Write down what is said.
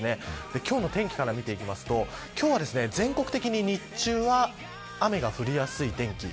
今日の天気から見ていきますと今日は全国的に日中は雨が降りやすい天気。